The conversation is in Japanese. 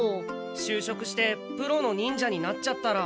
就職してプロの忍者になっちゃったら。